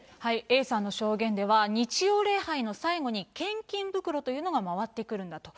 Ａさんの証言では、日曜礼拝の最後に献金袋というのが回ってくるんだと。